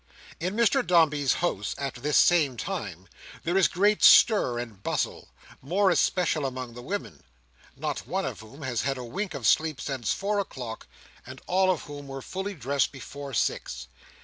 In Mr Dombey's house, at this same time, there is great stir and bustle, more especially among the women: not one of whom has had a wink of sleep since four o'clock, and all of whom were fully dressed before six.